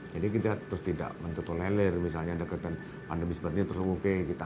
jadi kita terus tidak mentertolelir misalnya ada pandemi seperti ini terus ke mop